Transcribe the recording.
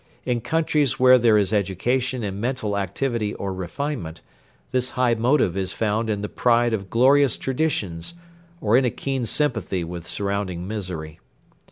In countries where there is education and mental activity or refinement, this high motive is found in the pride of glorious traditions or in a keen sympathy with surrounding misery.